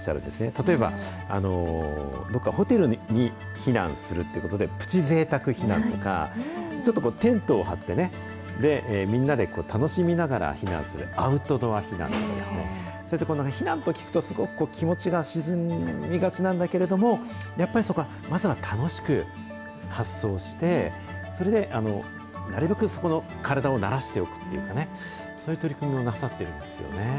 例えば、どっかホテルに避難するってことでプチぜいたく避難とか、ちょっとテントを張ってね、で、みんなで楽しみながら避難するアウトドア避難とか、避難と聞くとすごく気持ちが沈みがちなんだけれども、やっぱりそこは、まずは楽しく発想して、それでなるべくそこの体を慣らしておくというかね、そういう取り組みをなさっていますよね。